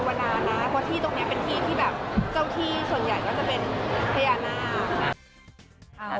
เพราะว่าที่ตรงนี้เป็นที่ที่แบบเจ้าที่ส่วนใหญ่ก็เป็นพยายามนาม